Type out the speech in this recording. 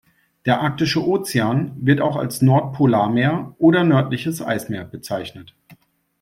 Der Arktische Ozean, wird auch als Nordpolarmeer oder nördliches Eismeer bezeichnet.